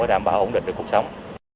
để đảm bảo ổn định cuộc sống